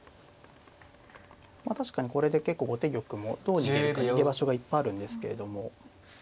確かにこれで結構後手玉もどう逃げるか逃げ場所がいっぱいあるんですけれども。